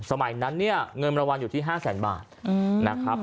สมัยนั้นเนี่ยเงินประวัติอยู่ที่๕๐๐๐๐๐บาทนะครับ